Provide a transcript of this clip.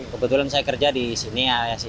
kebetulan saya kerja di sini